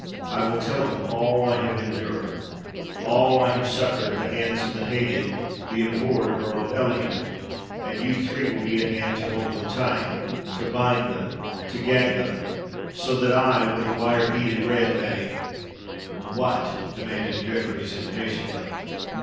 I will tell them all I have endured—all I have suffered at the hands of the hated—the abhorred Earl of Ellingham;—and you three will be at hand to hold them tight—to bind them—to gag them,—so that I, with a wire heated red, may——" "What?" demanded Jeffreys impatiently.